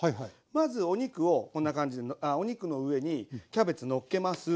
まずお肉をこんな感じであお肉の上にキャベツのっけます。